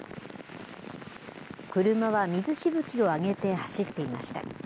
車は水しぶきを上げて走っていました。